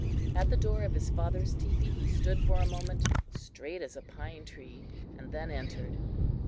At the door of his father's teepee he stood for a moment straight as a pine tree, and then entered.